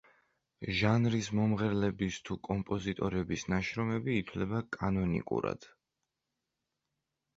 ჟანრის მომღერლების თუ კომპოზიტორების ნაშრომები ითვლება კანონიკურად.